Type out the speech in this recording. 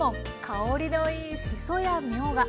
香りのいいしそやみょうが。